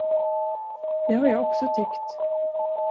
Det har jag också tyckt.